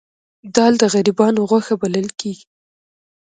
دال د غریبانو غوښه بلل کیږي